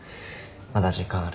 まだ時間ある。